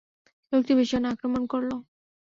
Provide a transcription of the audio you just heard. লোকটি ভীষণ আক্রমণ করল।